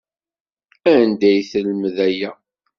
Anda ay telmed aya?